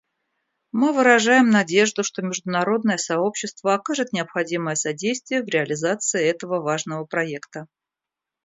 Мы выражаем надежду, что международное сообщество окажет необходимое содействие в реализации этого важного проекта.